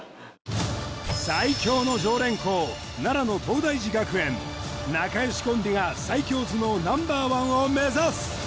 最強の常連校奈良の東大寺学園仲良しコンビが最強頭脳Ｎｏ．１を目指す！